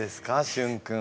しゅん君。